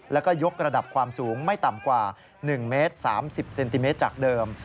แล้วก็ยกระดับความสูงไม่ต่ำกว่า๑เมตร๓๐เซนติเมตรจากเดิม